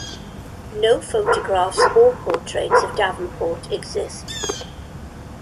No photographs or portraits of Davenport exist.